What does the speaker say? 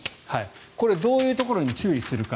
これ、どういうところに注意するか。